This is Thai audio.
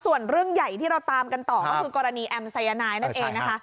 ส่วนเรื่องใหญ่ที่เราตามกันต่อก็คือกรณีแอมสายนายนั่นเองนะคะ